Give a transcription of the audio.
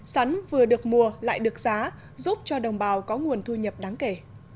sản vừa được mua lại được giá giúp cho đồng bào có nguồn thu nhập đáng kể